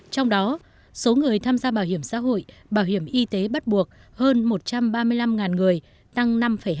trong đó số người tham gia bảo hiểm xã hội bảo hiểm y tế bắt buộc hơn một trăm ba mươi năm người tăng năm hai